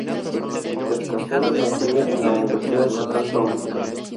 Disertación de maestría en la Universidad Estatal Paulista.